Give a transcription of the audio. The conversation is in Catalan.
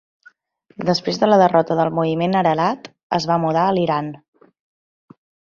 Després de la derrota del moviment Ararat, es va mudar a l'Iran.